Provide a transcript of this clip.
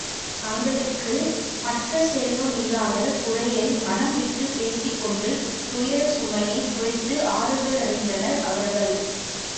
தங்களுக்கு மக்கட் செல்வம் இல்லாத குறையை மனம் விட்டுப் பேசிக் கொண்டு துயரச் சுமையைக் குறைத்து ஆறுதலடைந்தனர் அவர்கள்.